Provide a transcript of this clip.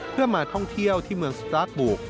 เพื่อมาท่องเที่ยวที่เมืองสตาร์ทบุ